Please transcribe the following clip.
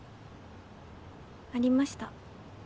ありました